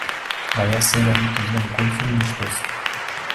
А јас сега ниту знам кој сум ни што сум.